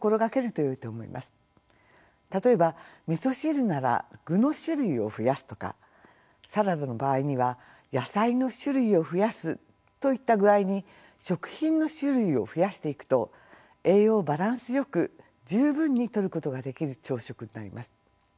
例えばみそ汁なら具の種類を増やすとかサラダの場合には野菜の種類を増やすといった具合に食品の種類を増やしていくと栄養をバランスよく十分にとることができる朝食になります。